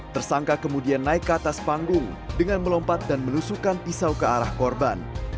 tersangka kemudian naik ke atas panggung dengan melompat dan menusukan pisau ke arah korban